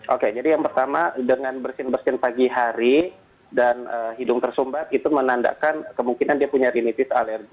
oke jadi yang pertama dengan bersin bersin pagi hari dan hidung tersumbat itu menandakan kemungkinan dia punya rinitis alergi